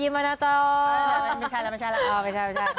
ไม่ใช่